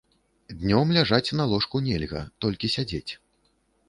Днём ляжаць на ложку нельга, толькі сядзець.